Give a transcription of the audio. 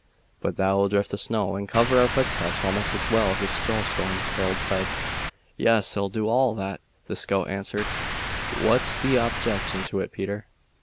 "But that will drift the snow and cover our footsteps almost as well as a snowstorm," Harold said. "Yes, it 'll do all that," the scout answered. "What is the objection to it, Peter?"